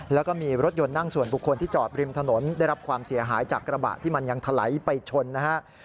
แล้วก็มีรถยนต์นั่งส่วนบุคคลที่จอดริมถนนได้รับความเสียหายจากกระบะที่มันยังถลายไปชนนะฮะ